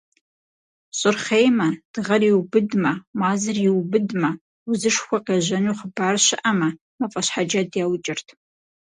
Щӏыр хъеймэ, дыгъэр иубыдмэ, мазэр иубыдмэ, узышхуэ къежьэну хъыбар щыӏэмэ, мафӏэщхьэджэд яукӏырт.